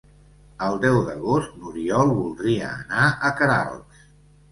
El deu d'agost n'Oriol voldria anar a Queralbs.